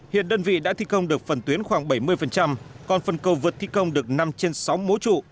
hiện đơn vị đã thi công được phần tuyến khoảng bảy mươi còn phần cầu vượt thi công được năm trên sáu mố trụ